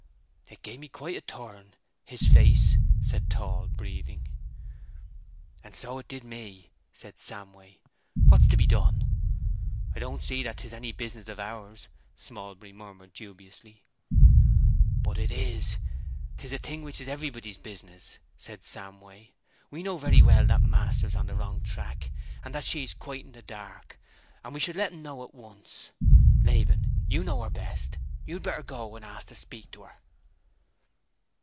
"It gave me quite a turn—his face," said Tall, breathing. "And so it did me," said Samway. "What's to be done?" "I don't see that 'tis any business of ours," Smallbury murmured dubiously. "But it is! 'Tis a thing which is everybody's business," said Samway. "We know very well that master's on a wrong tack, and that she's quite in the dark, and we should let 'em know at once. Laban, you know her best—you'd better go and ask to speak to her."